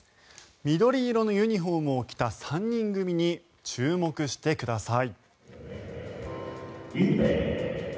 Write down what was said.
緑色のユニホームを着た３人組に注目してください。